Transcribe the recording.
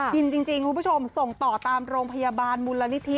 จริงคุณผู้ชมส่งต่อตามโรงพยาบาลมูลนิธิ